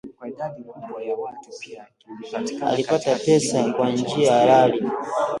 Alipata pesa kwa njia halali